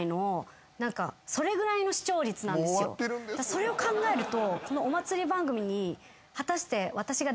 それを考えると。